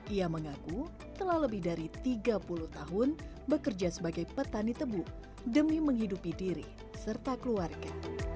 ia mengaku telah lebih dari tiga puluh tahun bekerja sebagai petani tebu demi menghidupi diri serta keluarga